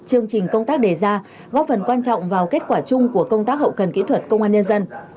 chương trình công tác đề ra góp phần quan trọng vào kết quả chung của công tác hậu cần kỹ thuật công an nhân dân